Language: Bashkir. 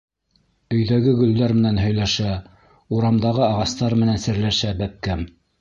Өйҙәге гөлдәр менән һөйләшә, урамдағы ағастар менән серләшә бәпкәм.